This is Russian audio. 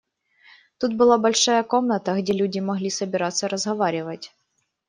Тут была большая комната, где люди могли собираться, разговаривать.